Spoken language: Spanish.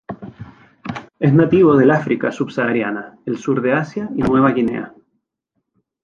Es nativo del África subsahariana, el sur de Asia y Nueva Guinea.